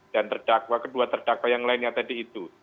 dan terdakwa kedua terdakwa yang lainnya tadi itu